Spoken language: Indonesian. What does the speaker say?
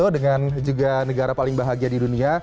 dengan juga negara paling bahagia di dunia